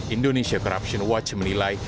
indonesia corruption watch menilai